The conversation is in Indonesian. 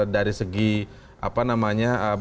dari segi apa namanya